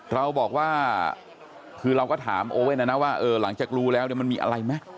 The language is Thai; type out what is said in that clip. เราบอกว่าคือเราก็ถามโอเว่นนะนะว่าเออหลังจากรู้แล้วมันมีอะไรไหม